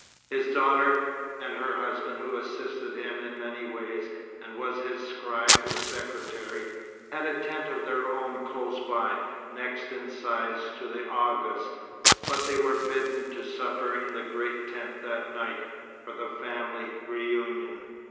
His daughter, and her husband who assisted him in many ways, and was his scribe, or secretary, had a tent of their own close by, next in size to the Agha's; but they were bidden to supper in the great tent that night, for the family reunion.